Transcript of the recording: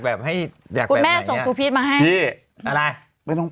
อเจมส์ที่แม่ส่งหูพีชมาให้